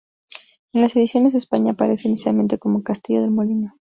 En las ediciones de España aparece inicialmente como Castillo del Molino.